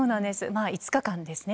まあ５日間ですね。